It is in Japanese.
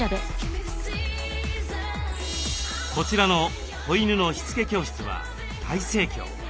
こちらの子犬のしつけ教室は大盛況。